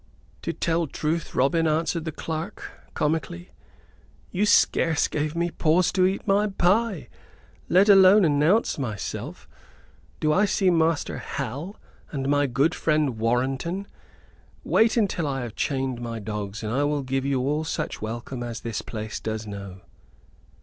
"To tell truth, Robin," answered the clerk, comically, "you scarce gave me pause to eat my pie, let alone announce myself. Do I see Master Hal, and my good friend Warrenton? Wait until I have chained my dogs, and I will give you all such welcome as this place does know."